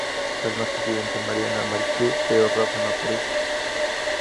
La noche siguiente Mariana va al club, pero Rafa no aparece.